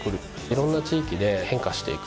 いろんな地域で変化していく。